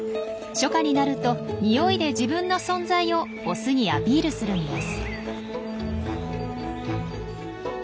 初夏になるとにおいで自分の存在をオスにアピールするんです。